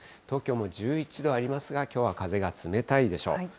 東京も１１度ありますが、きょうは風が冷たいでしょう。